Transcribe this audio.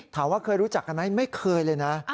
ถามว่าเคยรู้จักกันไหมไม่เคยเลยนะ